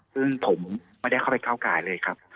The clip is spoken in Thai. ซึ่งผมไม่ได้เข้าไปก้าวกายเลยครับ